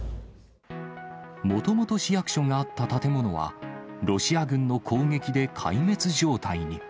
もともと市役所があった建物は、ロシア軍の攻撃で壊滅状態に。